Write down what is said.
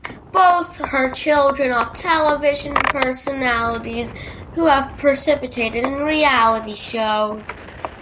Both her children are television personalities who have participated in reality shows.